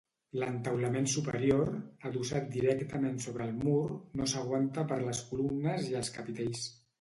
L'entaulament superior, adossat directament sobre el mur, no s'aguanta per les columnes i els capitells.